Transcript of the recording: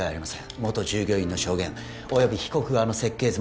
元従業員の証言および被告側の設計図も